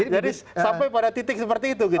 jadi sampai pada titik seperti itu gitu